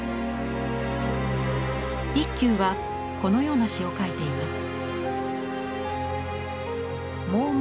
一休はこのような詩を書いています。